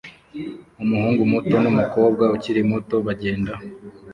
Umuhungu muto numukobwa ukiri muto bagenda